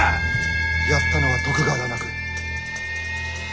やったのは徳川だなく明智だわ。